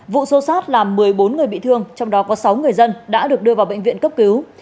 vụ xô xát làm một mươi bốn người bị thương trong đó có sáu người dân đã được đưa vào bệnh viện cấp cứu